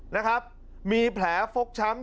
นะครับมีแผลฟกช้ำ